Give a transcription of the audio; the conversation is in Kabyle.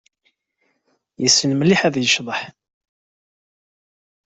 Yessen mliḥ ad yecḍeḥ.